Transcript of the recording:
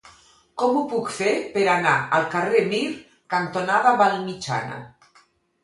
Com ho puc fer per anar al carrer Mir cantonada Vallmitjana?